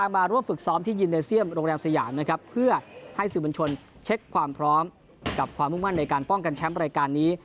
มาร่วมฝึกซ้อมที่ยินเลเซียมโรงแรมสยามนะครับเพื่อให้สื่อบัญชนเช็คความพร้อมกับความมุ่งมั่นในการป้องกันแชมป์รายการนี้